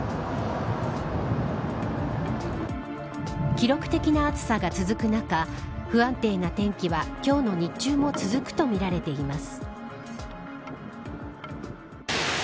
記録的な暑さが続く中不安定な天気は今日の日中も続くとみられています。